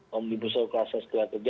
komunikasi kelasnya setelah kerja